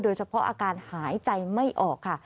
โดยเฉพาะอาการหายใจไม่ออกค่ะ